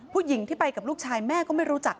ผู้หญิงที่ไปกับลูกชายแม่ก็ไม่รู้จัก